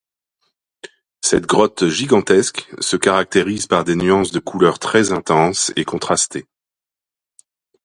Cette grotte gigantesque se caractérise par des nuances de couleurs très intenses et contrastées.